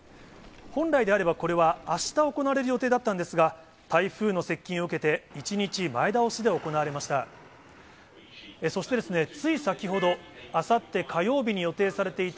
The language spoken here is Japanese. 本来であれば、これはあした行われる予定だったんですが、台風の接近を受けて、１日前倒しで行われました。